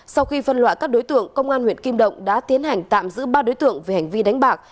sau khi phân loại các đối tượng công an huyện kim động đã tiến hành tạm giữ ba đối tượng về hành vi đánh bạc